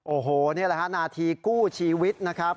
โอ้โหนี่แหละฮะนาทีกู้ชีวิตนะครับ